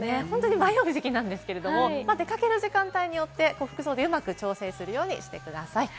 迷う時期なんですけれども、出掛ける時間帯によって服装でうまく調節するようにしてください。